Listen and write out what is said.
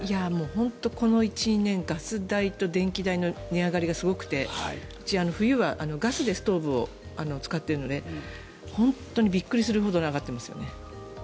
本当にこの１２年ガス代と電気代の値上がりがすごくてうち、冬はガスでストーブを使っているので本当にびっくりするほど上がっていますね。